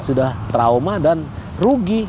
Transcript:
sudah trauma dan rugi